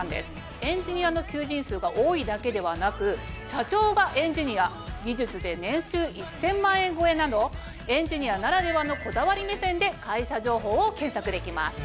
エンジニアの求人数が多いだけではなく社長がエンジニア技術で年収１０００万円超えなどエンジニアならではのこだわり目線で会社情報を検索できます。